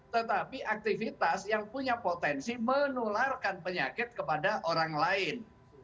tetapi aktivitas yang punya potensi menularkan penyakit kepada orang lain